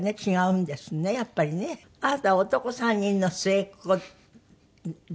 あなた男３人の末っ子で。